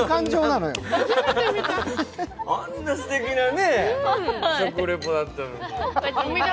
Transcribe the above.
あんなすてきな食リポだったのに。